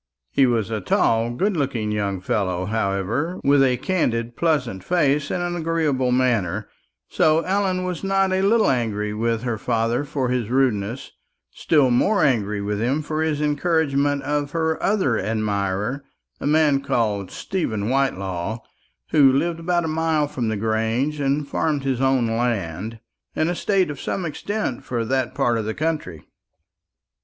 He was a tall good looking young fellow, however, with a candid pleasant face and an agreeable manner; so Ellen was not a little angry with her father for his rudeness, still more angry with him for his encouragement of her other admirer, a man called Stephen Whitelaw, who lived about a mile from the Grange, and farmed his own land, an estate of some extent for that part of the country.